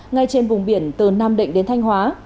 ngay trên vùng biển từ nam định đến thanh hóa